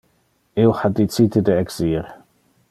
Io ha dicite de exir.